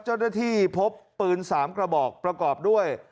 เจ้าหน้าที่พบปืน๓กระบอกประกอบด้วย